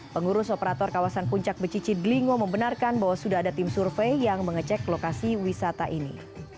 pengurus operator kawasan puncak becici dlingo membenarkan bahwa sudah ada tim survei yang mengecek lokasi wisata ini